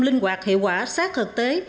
linh hoạt hiệu quả sát thực tế